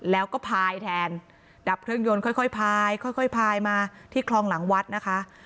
แล้วก็พายแทนดับเครื่องยนต์ค่อยพายค่อยพายมาที่คลองหลังวัดนะคะ